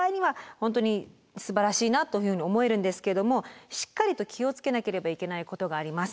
本当にすばらしいなというふうに思えるんですけれどもしっかりと気を付けなければいけないことがあります。